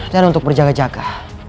dan untuk berjaga jaga